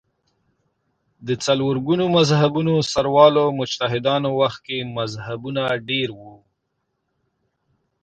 د څلور ګونو مذهبونو سروالو مجتهدانو وخت کې مذهبونه ډېر وو